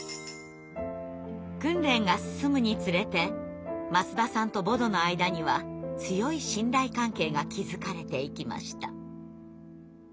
訓練が進むにつれて舛田さんとボドの間には強い信頼関係が築かれていきました。